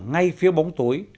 ngay phía bóng tối